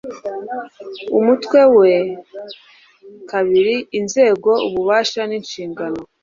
UMUTWE WA II INZEGO UBUBASHA N INSHINGANO